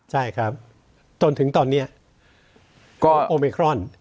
ใช่ครับจนถึงตอนนี้กองโอเมครอน